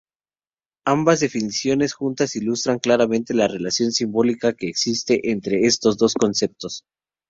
Ambas definiciones juntas ilustran, claramente, la relación simbólica que existe entre estos dos conceptos.